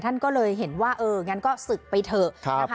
ท่านก็เลยเห็นว่าเอองั้นก็ศึกไปเถอะนะคะ